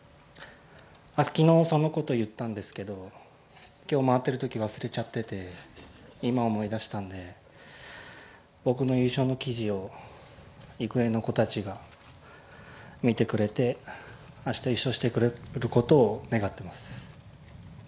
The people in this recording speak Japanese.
昨日そのこと言ったんですけど、今日回ってるとき忘れちゃってて今、思い出したんで僕の優勝の記事を育英の子たちが見てくれて、明日優勝してくれることを願っています。